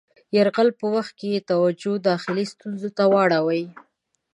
یرغل په وخت کې یې توجه داخلي ستونزو ته واړوي.